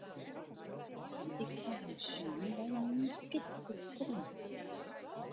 Ik ha him sjoen by in mienskiplike freon.